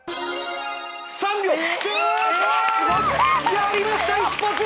やりました一発！